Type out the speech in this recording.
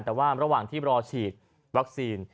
แต่ว่าระหว่างที่รอฉีดวัคซีน